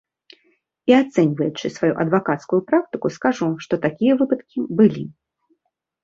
І, ацэньваючы сваю адвакацкую практыку, скажу, што такія выпадкі былі.